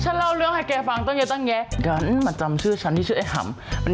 ชื่อจะเล่าเรื่องให้แกฟังต้องเย็นก็มาจำชื่อฉันที่ชื่อแอฮัม